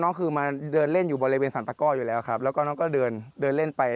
คือมาเดินเล่นอยู่บริเวณสรรตะก้ออยู่แล้วครับแล้วก็น้องก็เดินเดินเล่นไป